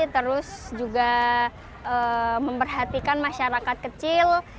terus juga memperhatikan masyarakat kecil